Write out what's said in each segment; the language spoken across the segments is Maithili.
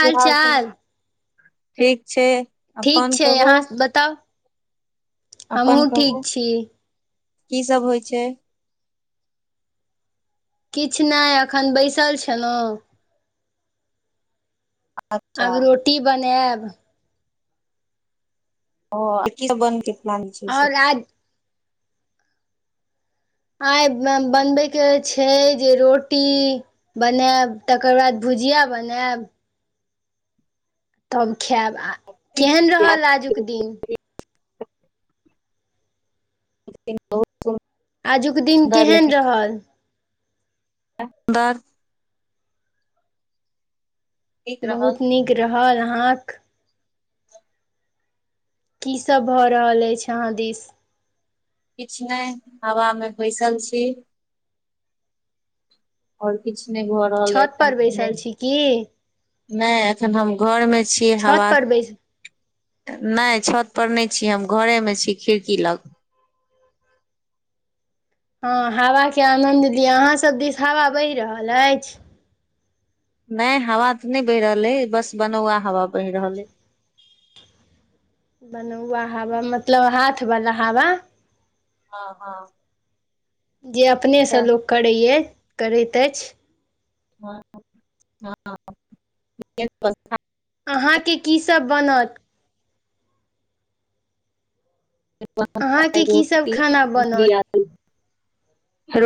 की हाल समा, ठीक छै। ठीक अपन छै कहू अहाँ स बताउ? अपन हमहूँ कहू ठीक छी की सब होइ छै? किछ नै अखन बैसल छलौं। अच्छा आब रोटी बनेएब। ओ आ कि सब बनै के प्लान छै से? आओर आज आइ ब -बनबै के छै जे रोटी बनेएब तकर बाद भुजिया बनेएब। तब खेएब आ केहेन रहल आजुक बहुत दिन? [inaudible] [inaudible] आजुक दिन सुन्दर केहेन रहल? अख बार [inaudible] नीक रहल बहुत नीक रहल अहाँक की सब भऽ रहल एइछ अहाँ दीस? किछ नै हवा मे बैसल छी। आओर किछ नै भऽ रहल एइ छत पर एखन त नै। बैसल छी की नै एखन त हम घर मे छी छत हवा पर बैस नै छत पर नै छी हम घरे मे छी खिड़की लग। हँ हवा के आनन्द लियऽ अहाँ सब दिस हावा बहि रहल अइछ? नै हावा तऽ नै बहि रहल अइ बस बनौआ हवा बहि रहल अइ। बनौवा हावा मतलब हाथ बला हावा। हँ हँ। जे अपने सॅं सैह। लोक करैये करैत एइछ। ह हँ [inaudible] अहाँ के की सब बनत? अहाँके कीसभ रोटी खाना [inaudible] बनत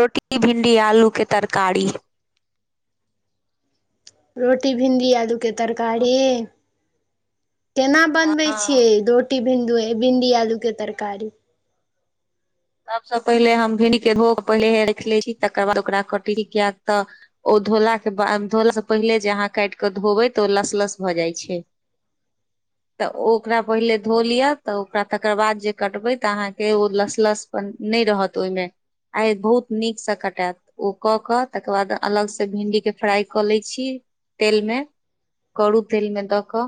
रोटी भिंडी आलू के तरकारी। रोटी भिंडी आलू के तरकारी। केना बनबै छियै? हँ रोटी भिंदू- भिंडी आलू के तरकारी। सबसँ पहिले हम भिंडी के धो क पहिलेहे राइख लै छी तकर बाद ओकरा कटली कियैक तऽ ओ धोला क बाद धोला स पहिले जे अहाँ काइट क धोबै त ओ लस-लस भऽ जाइ छै। त ओ ओकरा पहिले धो लियऽ त ओकरा तकर बाद जे कटबै त अहाँके ओ लस-लस पन नै रहत ओइ मे आइ बहुत नीक स कटेएत। ओ कऽ कऽ तकर बाद अलग से भिंडी के फ्राइ कऽ लै छी तेल मे, कड़ू तेल मे दऽ कऽ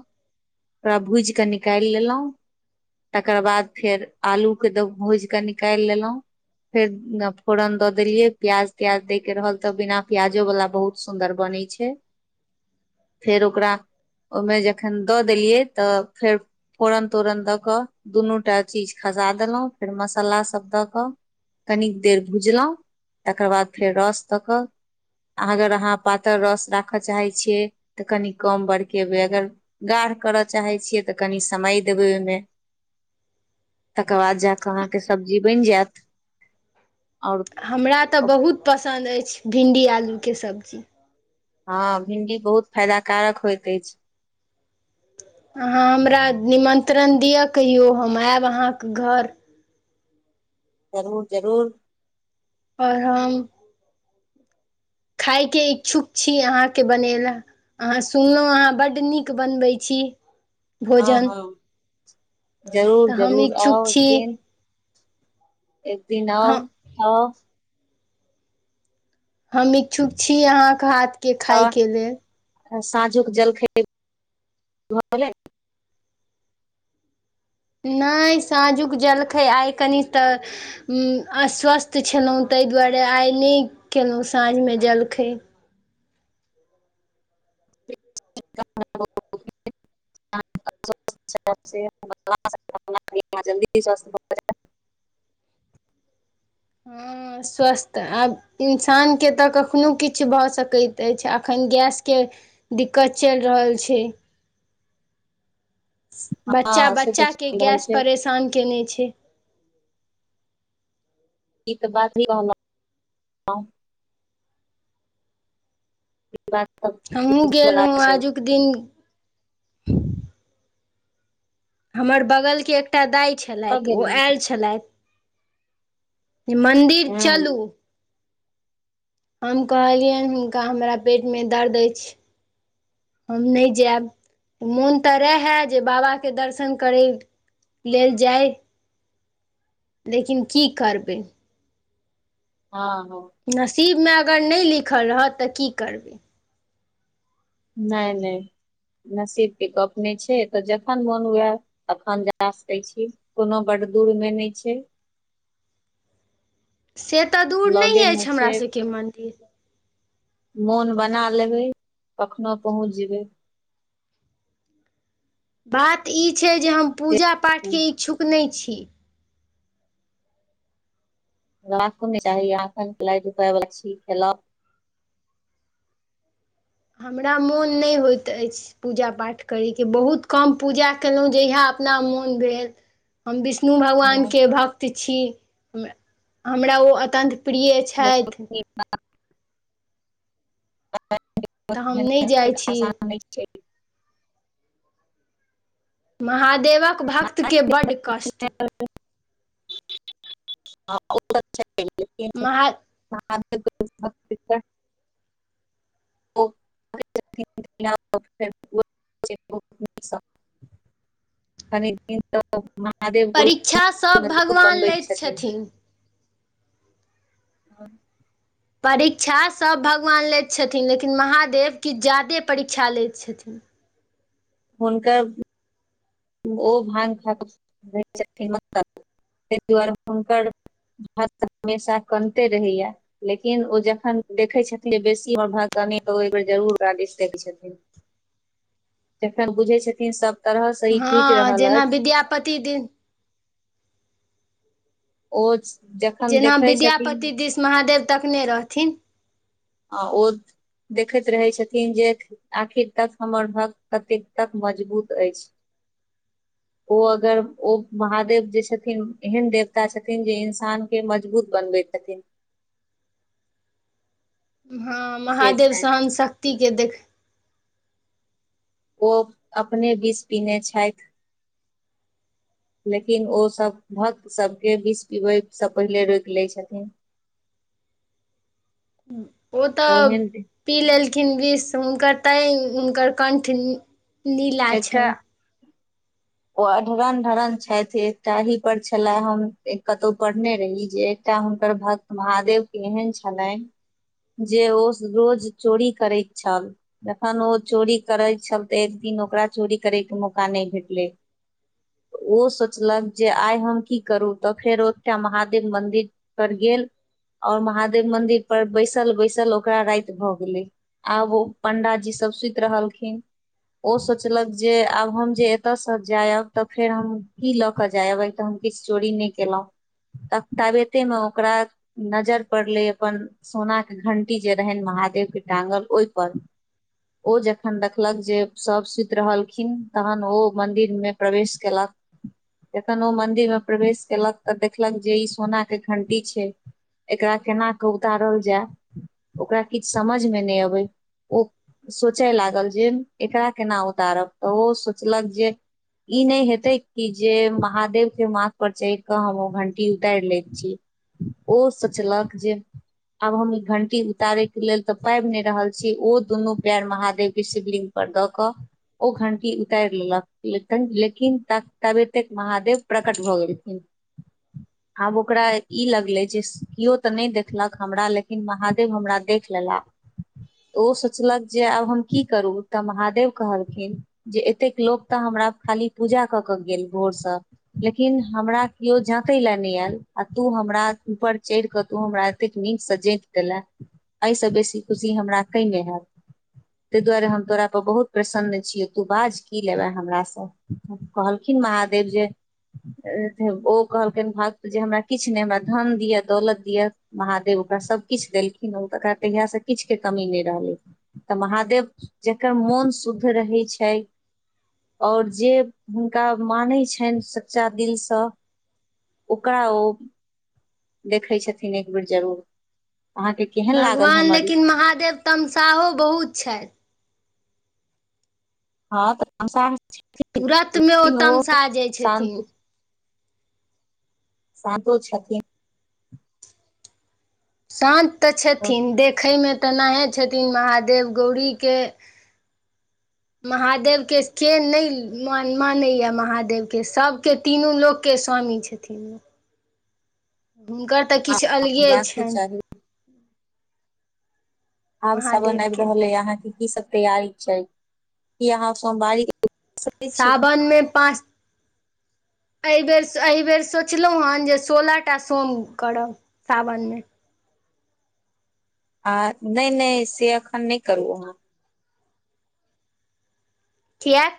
ओकरा भूइज कऽ निकाइल लेलौं। तकर बाद फेर आलू के द भुइज कऽ निकाइल लेलौं। फेर ग फोरन दऽ देलियै प्याज-त्याज दै के रहल तऽ बिना प्याजो बला बहुत सुन्दर बनै छै। [inaudible] फेर ओकरा ओय में जखन दऽ देलियै तऽ फेर। फोरन-तोरन दऽ कऽ दुनू टा चीज खसा देलौं फेर मसल्ला सब दऽ कऽ। कनिक देर भुजलौं तकर बाद फेर रस दऽ कऽ। अगर अहाँ पातर रस राखऽ चाहे छियै तऽ कनी कम बरकेबै अगर। गाढ़ करऽ चाहे छियै तऽ कनी समय देबै ओय में। तकर बाद जाकऽ अहाँके सब्जी बइन जैत और। हमरा तऽ बहुत पसन्द अइछ भिंडी आलू के सब्जी। हँ भिंडी बहुत फायदा कारक होइत अइछ। अहाँ हमरा निमंत्रण दिअ कहियौ हम एब अहाँके घर। जरूर-जरूर। और हम। खाइके इच्छुक छी अहाँके बनेला। अहाँ सुनलौं अहाँ बड्ड नीक बनबै छी। हँ भोजन हँ जरूर तऽ हम जरूर इच्छुक आउ एक छी। दिन एक दिन आउ हम खाऊ। हम इच्छुक छी अहाँ कऽ हाथके तऽ खायके लेल। साँझुक जलखै भऽ गेलै। नै साँझुक जलखै आइ कनि तऽ। उम्म अस्वस्थ छलौं तय दुवारे आइ नै केलौं साँझ में जलखै। [unintelligible] अस्वस्थ छेलौं से जल्दी अस्वस्थ भऽ जाइ छी। हँ स्वस्थ आब। इंसान के तऽ कखनो किछ भऽ सकैत अइछ अखन गैस के। दिक्कत चइल रहल छै। हँ से तऽ बच्चा-बच्चा के चलि रहल गैस छै परेशान केने छै। ई तऽ बात सही कहलौं। बात त। हमहूँ गेल रहौं आजुक दिन। हमर बगल के एकटा दाइ कतऽ छेलैथ गेल ओ एल छेलैथ। मन्दिर रही हँ चलू। हम कहलियैन हुनका हमरा पेट में दर्द अइछ। हम नै जैब मोन तऽ रहै जे बाबाके दर्शन करै। लेल जाइ। लेकिन की करबै। हां हँ। नसीबमे अगर नै लिखल रहत त की करबै। नै नै नसीब के गप नै छै एत जखन मोन हुए। अखन जा सकै छी कोनो बड दूर मे नै छै। से त दूर नै लगे ऐछ मे हमरा छै सभके मन्दिर। मोन बना लेबै कखनो पहुँच जेबै। बात ई छै जे हम पूजा पाठके इच्छुक नई छी। राखो ने चाही आखन खेलाइ धुपाइ वला छी खेलाउ। हमरा मोन नई होइत अइछ। पूजा पाठ करयके बहुत कम पूजा कैलउ जहिया अपना मोन भेल। हम विष्णु भगवानके भक्त छी हमरा ओ अतंत। बहुत निक बात। तऽ हम नहि जाइ छी आसान नैय छै [unintelligible] महादेवक भक्तके बड कष्ट। महा [unintelligible] [unintelligible] तऽ महादेव गो परीक्षा सभ मजबूत भगवान बनबैत लैत छथिन। ह। [inaudible] परीक्षा सब भगवान लैत छथिन लेकिन महादेव किछ जादे परीक्षा लैत छथिन। हुनकर। ओ भाँग खा क सुतल रहै छथिन मत्तल तइ द्वारे हुनकर। हमेशा कनते रहैया। लेकिन ओ जखन देखै छथिन बेसीर भ त ओ बेर जरूर ओकरा दिस देखै छथिन। जखन बुझै छथिन सब तरहसँ इ। हँ जेना विद्यापति दिन। ओ जखन जेना देखै छथिन। विद्यापति दिस महादेव तकने रहथिन। आ ओ देखैत रहै छथिन जेक। आखिर तक हमर भक्त कतेक तक मजबूत ऐछ। [inaudible] ओ अगर ओ महादेव जे छथिन एहन देवता छथिन जे इन्सान। के मजबूत बनबै छथिन। हां से महादेव छनि सहनशक्तिके देख। ओ अपने बिष पीने छैथ। [inaudible] लेकिन ओ सब भक्त सबके बिष पिबै स पहिले रोइक लेइ छथिन। ओ त ओहन पी लेलखिन विष हुनकर तै हुनकर कण्ठ। नीला एका। [inaudible] ओ अढरन ढरन छैथिन ताहि पर छला हम एक कतौ पढ़ने रही जे। एकटा हुनकर भक्त महादेव के एहन छलैन। जे ओ रोज चोरी करैत छल। जखन ओ चोरी करैत छल त एकदिन ओकरा चोरी करैक मौका नैय भेटलै। ओ सोचलक जे आइ हम की करू त फेर ओएठाम महादेव मन्दिर। पर गेल और महादेव मन्दिर पर बैसल बैसल ओकरा राइत भ गेलै। आब ओ पंडाजी सब सुइत रहलखिन ओ स। सोचलक जे आब हम जे एतय से जायब त फेर हम की ल के जायएबे त हम किछ चोरी नै। केलहुँ त ताबते मे ओकरा नजर पड़लै अपन। सोनाक के घंटी जे रहेन महादेव के टांगल ओइपर। ओ जखन देखलक जे सब सुत। सुत रहलखिन तहन ओ मन्दिर मे प्रवेश केलक। जखन ओ मंदिर में प्रवेश केलक तऽ देखलक जे ई सोना के घंटी छैय। एकरा केना कऽ उतारल जाय ओकरा किछ समझ मे नैय अबै ओ। सोचय लागल जे एकरा केना उतारब तऽ ओ सोचलक जे। ई नैय हेतेै कि जे महादेव के माथ पर चैढ़ क हम ओ घंटी उताइर लैइ छी ओ सोचलक जे आब हम ई घंटी उतारे के लेल तऽ पाइब नैय रहल छी ओ दुनू पैर महादेव के शिवलिंग पर द कऽ ओ घंटी उतैर लेलक लेकिन लेकिन तबे तक महादेव प्रकट भऽ गेलखिन आब ओकरा ई लगले जे कियो तऽ नैय देख देखलक हमरा लेकिन महादेव हमरा देख लेला ओ सोचलक जे आब हम की करू तऽ महादेव कह [unintelligible] एतेक लोक तऽ हमरा खाली पूजा कऽ के गेल भोर सँ लेकिन हमरा कियो जातैय लए नैय एयल आ तू हमरा ऊपर चैढ़ कऽ तू हमरा अतैक निक स जाइत देला। एय स बेसी खुशी हमरा केैय मे हेत तैय दुआरे हम तोरा पर बहुत प्रसन्न छियै तू बाज की लेबे हमरा से कहलखिन महादेव जे ओ कहलखिन भक्त जे हमरा किछ नैय हमरा धन दियअ दौलत दियअ महादेव ओकरा सब किछ देलखिन ओकरा तहिया सँ किछु के कमी नैय रहलै। तऽ महादेव जेकर मोन शुद्ध रहै छैय और जे हुनका मानै छैन सच्चा दिल सँ ओकरा ओ देखै छथिन एक बेर जरूर अहाँके केहन लागल भगवान हमर ई लेकिन महादेव तमसाहो बहुत छैथ। हँ तुरतमे ओ [unintelligible] तमसा जाइ शांन्ति छथिन शान्तो छथिन शान्त तऽ छथिन देख देखय मे तऽ नये छथिन महादेव गौरी के महादेव के के नैय मानैया महादेव के सब के तीनू लोक के स्वामी छैय छथि नै। हुनकर तऽ किछ अलगे हेबाको छैन चाही आब सावन महादेवके रहल ऐ आहाँ के की सब तैयारी छैय की आहाँ सोमवारी करै छी साावन मे पाँच एहिबर एहिबेर सोचलो हँ जे सोलह टा सोम करब साावन मे आ नैय- नैय से अखन नैय करू आहाँ कियाक